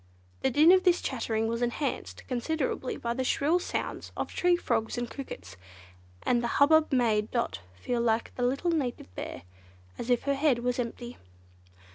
The din of this chattering was enhanced considerably by the shrill sounds of tree frogs and crickets, and the hubbub made Dot feel like the little Native Bear—as if her "head was empty."